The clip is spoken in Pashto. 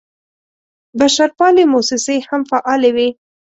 بشرپالې موسسې هم فعالې وې.